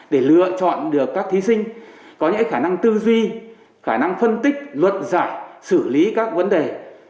để lựa chọn được các thí sinh có những khả năng tư duy khả năng phân tích luận giải xử lý các vấn đề